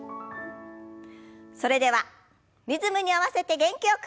それではリズムに合わせて元気よく。